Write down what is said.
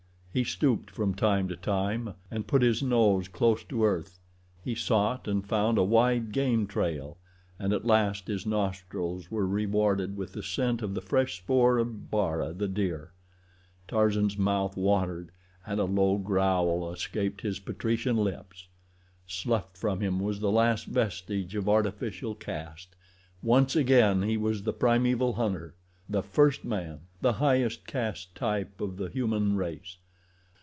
He stooped from time to time and put his nose close to earth. He sought and found a wide game trail and at last his nostrils were rewarded with the scent of the fresh spoor of Bara, the deer. Tarzan's mouth watered and a low growl escaped his patrician lips. Sloughed from him was the last vestige of artificial caste—once again he was the primeval hunter—the first man—the highest caste type of the human race.